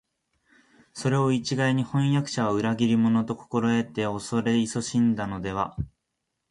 それを一概に「飜訳者は裏切り者」と心得て畏れ謹しんだのでは、